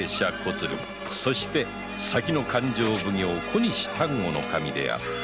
そして先の勘定奉行小西丹後守であった